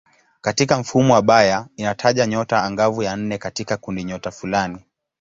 Katika mfumo wa Bayer inataja nyota angavu ya nne katika kundinyota fulani.